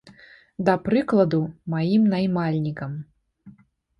Да прыкладу, маім наймальнікам.